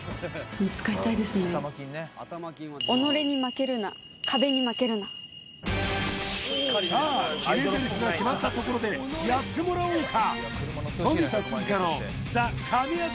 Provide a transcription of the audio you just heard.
結構さあ決めゼリフが決まったところでやってもらおうか！